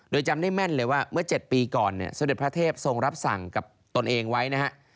โดยจำได้แม่นเลยว่าเมื่อ๗ปีก่อนเนี่ยสมเด็จพระเทพทรงรับสั่งกับตนเองไว้นะฮะ